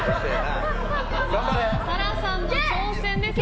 紗来さんの挑戦です。